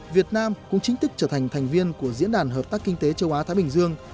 việt nam cũng chính thức trở thành thành viên của diễn đàn hợp tác kinh tế châu á thái bình dương